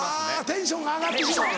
テンションが上がってしまう。